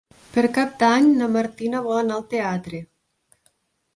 Per Cap d'Any na Martina vol anar al teatre.